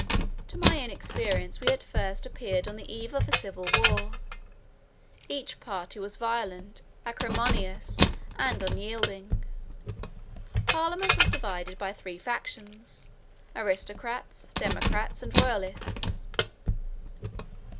To my inexperience we at first appeared on the eve of a civil war; each party was violent, acrimonious, and unyielding. Parliament was divided by three factions, aristocrats, democrats, and royalists.